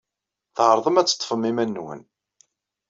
Tɛerḍem ad teḍḍfem iman-nwen.